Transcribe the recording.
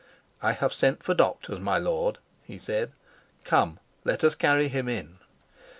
"I have sent for doctors, my lord," he said. "Come, let us carry him in."